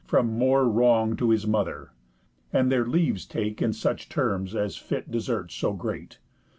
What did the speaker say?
From more wrong to his mother, and their leaves Take in such terms as fit deserts so great.